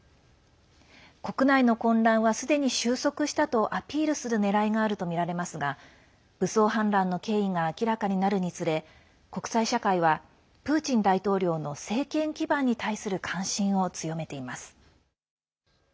国内の混乱はすでに収束したとアピールするねらいがあるとみられますが武装反乱の経緯が明らかになるにつれ国際社会はプーチン大統領の政権基盤に対する関心を強めています。